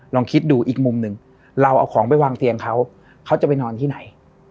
ลองคิดดูอีกมุมหนึ่งเราเอาของไปวางเตียงเขาเขาจะไปนอนที่ไหน